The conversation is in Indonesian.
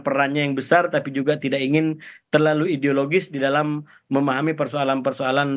perannya yang besar tapi juga tidak ingin terlalu ideologis di dalam memahami persoalan persoalan